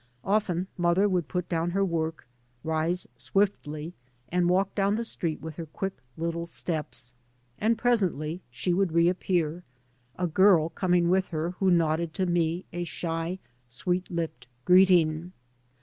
Often mother would put down her work, rise swiftly, and walk down the street with her quick little steps. And presently she would re appear, a g^r] coming with her who nodded to me a shy, sweet lipped greeting.